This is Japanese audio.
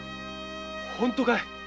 本当かい？